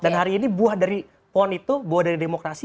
dan hari ini buah dari pohon itu buah dari demokrasi